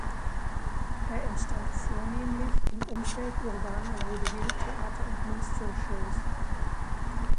Er entstand vornehmlich im Umfeld urbaner Vaudeville-Theater und Minstrel Shows.